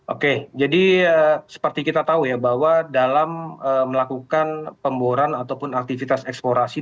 oke jadi seperti kita tahu ya bahwa dalam melakukan pemboran ataupun aktivitas eksplorasi